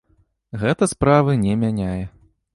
Гэта справы не мяняе.